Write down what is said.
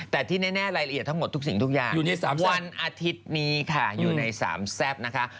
แต่ที่แน่รายละเอียดทั้งหมดทุกสิ่งทุกอย่างวันอาทิตย์นี้ค่ะอยู่ในสามแซ่บนะคะ